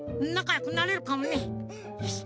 よし。